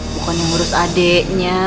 bukan yang urus adeknya